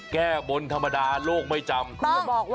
แก้บนธรรมดาโลกไม่จำ